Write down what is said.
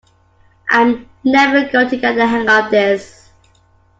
I’m never going to get the hang of this.